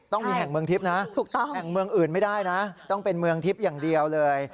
ต้องมีแห่งเมืองทิพย์นะแห่งเมืองอื่นไม่ได้นะต้องเป็นเมืองทิพย์อย่างเดียวเลย